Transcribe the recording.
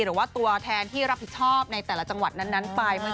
หรือว่าตัวแทนที่รับผิดชอบในแต่ละจังหวัดนั้นไป